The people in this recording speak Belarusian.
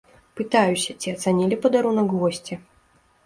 Пытаюся, ці ацанілі падарунак госці.